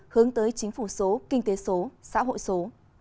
hướng tới chính phủ số kinh tế số xã hội số